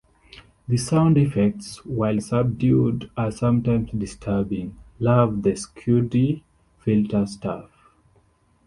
The sound effects, while subdued, are sometimes disturbing- love the squidgy filter stuff.